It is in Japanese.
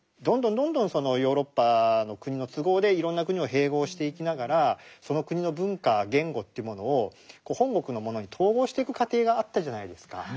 どんどんどんどんそのヨーロッパの国の都合でいろんな国を併合していきながらその国の文化・言語というものを本国のものに統合していく過程があったじゃないですか。